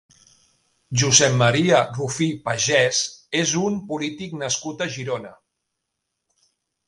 Josep Maria Rufí Pagès és un polític nascut a Girona.